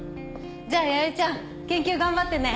じゃあ弥生ちゃん研究頑張ってね。